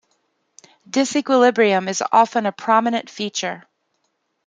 Disequilibrium is often a prominent feature.